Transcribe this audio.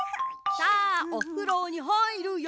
さあおふろにはいるよ。